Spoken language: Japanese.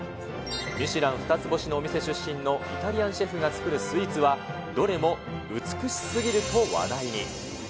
ミシュラン２つ星のお店出身のイタリアンシェフが作るスイーツはどれも美しすぎると話題に。